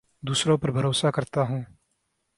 دوسروں پر بھروسہ کرتا ہوں